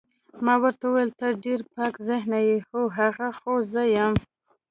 ما ورته وویل ته ډېر پاک ذهنه یې، هو، هغه خو زه یم.